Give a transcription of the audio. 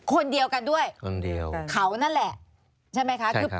คนเดียวกันด้วยคนเดียวเขานั่นแหละใช่ไหมคะคือ